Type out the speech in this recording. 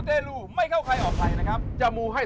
วัดนี้เนี่ยมีพระราชศาสตร์ภาคในรัชกาลที่๘พระองค์เคยเสด็จมาวัดนี้